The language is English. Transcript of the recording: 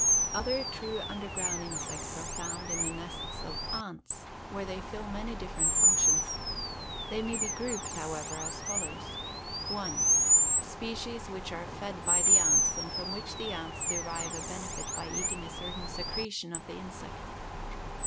Other true underground insects are found in the nests of ants, where they fill many different functions. They may be grouped, however as follows: 1. Species which are fed by the ants and from which the ants derive a benefit by eating a certain secretion of the insect.